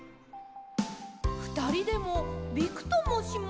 ふたりでもびくともしません。